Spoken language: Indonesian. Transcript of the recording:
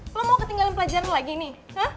lu mau ketinggalin pelajaran lagi nih